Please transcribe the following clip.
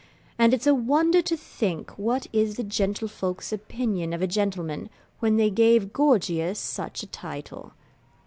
And it's a wonder to think what is the gentlefolks' opinion of a gentleman, when they gave Gorgius such a title.